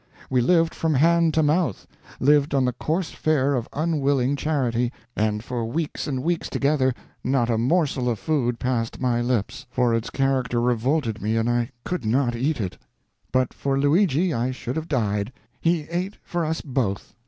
We lived from hand to mouth lived on the coarse fare of unwilling charity, and for weeks and weeks together not a morsel of food passed my lips, for its character revolted me and I could not eat it. But for Luigi I should have died. He ate for us both."